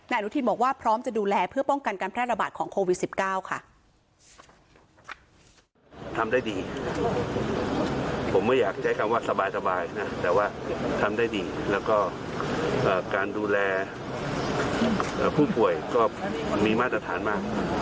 อนุทินบอกว่าพร้อมจะดูแลเพื่อป้องกันการแพร่ระบาดของโควิด๑๙ค่ะ